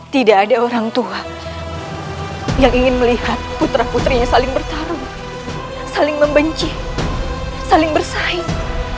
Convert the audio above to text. tidak ada orang tua yang ingin melihat putra putrinya saling bertarung saling membenci saling bersaing